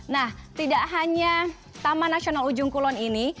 nah tidak hanya taman nasional ujung kulon ini